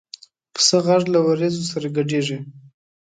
پسه غږ له وریځو سره ګډېږي.